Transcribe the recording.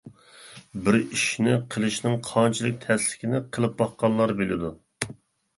بىر ئىشنى قىلىشنىڭ قانچىلىك تەسلىكىنى، قىلىپ باققانلار بىلىدۇ.